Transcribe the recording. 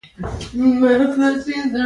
علی خان د دروازې په خلاصېدو غلی شو.